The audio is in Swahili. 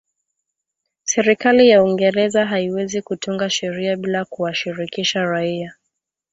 Serikali ya Uingereza haiwezi kutunga sheria bila kuwashirikisha raia